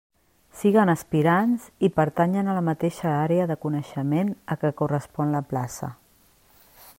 Siguen aspirants i pertanyen a la mateixa àrea de coneixement a què correspon la plaça.